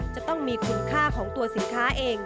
จะต้องมีคุณค่าของตัวสินค้าเอง